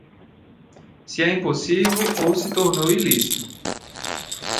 Se é impossível ou se tornou ilícito.